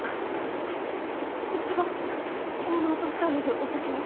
えっうちがオーナーと２人でお酒を？